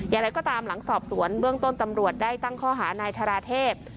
อย่างไรก็ตามหลังสอบสวนเบื้องต้นตำรวจได้ตั้งข้อหานายธาราเทพ